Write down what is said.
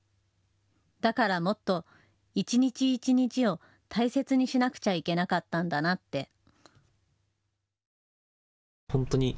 だからもっと一日一日を大切にしなくちゃいけなかったんだなって。